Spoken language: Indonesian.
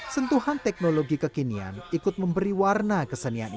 sentuhan teknologi kekinian ikut memberi warna kesenian